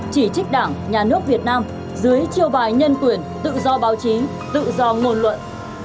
chỉ trích đảng nhà nước việt nam dưới chiêu bài nhân quyền tự do báo chí tự do ngôn luận